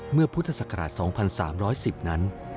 เมื่อพุทธศักราช๒๓๑๐นั้น